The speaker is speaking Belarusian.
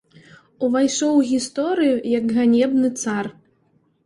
Увайшоў у гісторыю як ганебны цар.